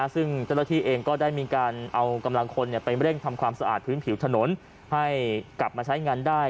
ซึ่งเจ้าหน้าที่เองก็ได้มีการเอากำลังคนไปเร่งทำความสะอาดพื้นผิวถนนให้กลับมาใช้งานได้